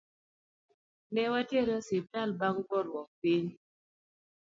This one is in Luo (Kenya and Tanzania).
Newatere e osiptal bang goruok piny.